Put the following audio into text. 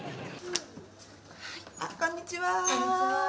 こんにちは。